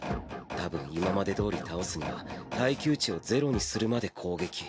たぶん今までどおり倒すには耐久値を０にするまで攻撃。